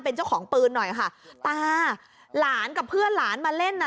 เป็นเจ้าของปืนหน่อยค่ะตาหลานกับเพื่อนหลานมาเล่นน่ะ